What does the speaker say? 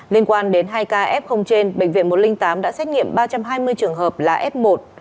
liên quan đến hai ca f trên bệnh viện một trăm linh tám đã xét nghiệm ba trăm hai mươi trường hợp là f một